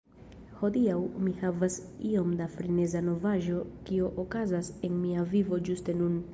Hodiaŭ mi havas iom da freneza novaĵo kio okazas en mia vivo ĝuste nun.